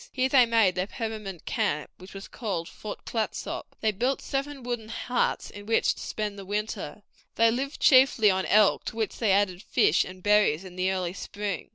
Here they made their permanent camp, which was called Fort Clatsop. They built seven wooden huts in which to spend the winter. They lived chiefly on elk, to which they added fish and berries in the early spring.